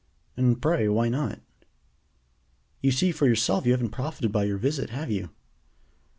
"And, pray, why not?" "You see for yourself you haven't profited by your visit, have you?"